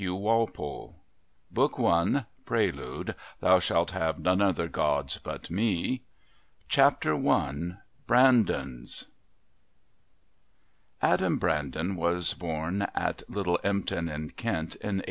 The Last Tournament Book I Prelude "Thou shalt have none other gods but Me." Chapter I Brandons Adam Brandon was born at Little Empton in Kent in 1839.